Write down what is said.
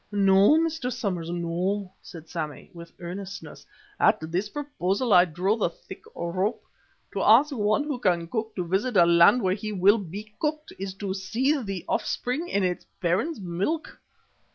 "No, Mr. Somers, no," said Sammy, with earnestness. "At this proposal I draw the thick rope. To ask one who can cook to visit a land where he will be cooked, is to seethe the offspring in its parent's milk."